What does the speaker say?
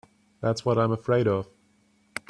That's what I'm afraid of.